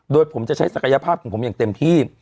โดยผมจะใช้ศักยภาพของผมอย่างเต็มที่